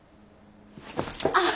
あっ！